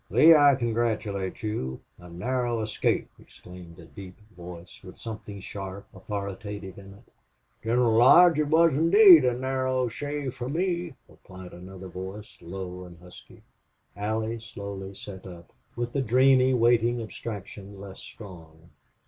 "Lee, I congratulate you. A narrow escape!" exclaimed a deep voice, with something sharp, authoritative in it. "General Lodge, it was indeed a narrow shave for me," replied another voice, low and husky. Allie slowly sat up, with the dreamy waiting abstraction less strong.